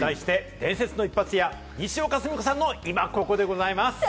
伝説の一発屋・にしおかすみこさんのイマココでございます。